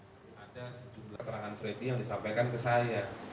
ada sejumlah keterangan freddy yang disampaikan ke saya